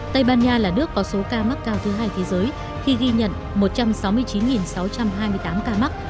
tây ban nha là nước có số ca mắc cao thứ hai thế giới khi ghi nhận một trăm sáu mươi chín sáu trăm hai mươi tám ca mắc